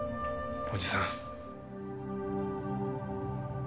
おじさん。